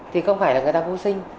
thì không phải là người ta vô sinh